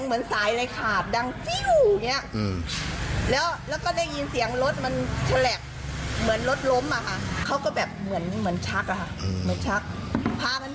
เหมือนน่าจะเป็นสายเกี่ยวอะไรอย่างเงี้ยเราก็ไม่เข้าใจค่ะ